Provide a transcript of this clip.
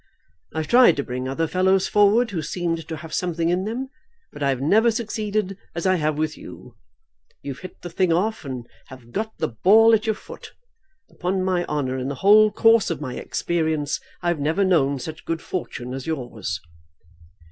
I've tried to bring other fellows forward who seemed to have something in them, but I have never succeeded as I have with you. You've hit the thing off, and have got the ball at your foot. Upon my honour, in the whole course of my experience I have never known such good fortune as yours."